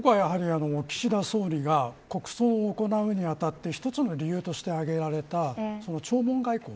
岸田総理が国葬を行うに当たって１つの理由として挙げられた弔問外交。